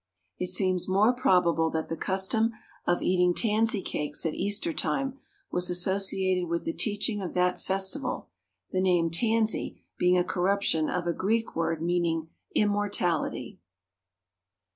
It seems more probable that the custom of eating tansy cakes at Easter time was associated with the teaching of that festival, the name "tansy" being a corruption of a Greek word meaning "immortality."